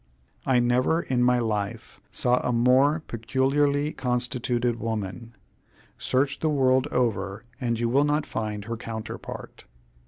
I never in my life saw a more peculiarly constituted woman. Search the world over, and you will not find her counterpart.